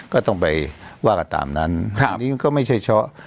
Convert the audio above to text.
ก็ต้องไปว่ากันตามนั้นอันนี้ก็ไม่ใช่เฉพาะ